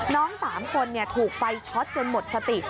น้อง๓คนนี่ถูกไฟช็อตจนหมดสติ